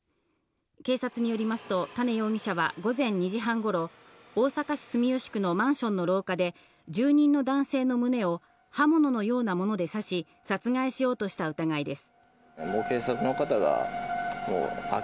警察によりますと、多禰容疑者は午前２時半ごろ、大阪市住吉区のマンションの廊下で住人の男性の胸を刃物のようなもので刺し殺害しようとした疑いです。